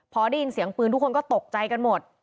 พอได้ยินเสียงปืนทุกคนก็ตกใจกันหมด